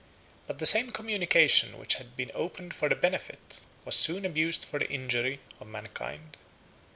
But the same communication which had been opened for the benefit, was soon abused for the injury, of mankind.